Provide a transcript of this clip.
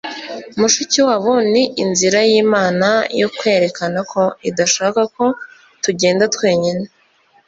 mushikiwabo ni inzira y'imana yo kwerekana ko idashaka ko tugenda twenyine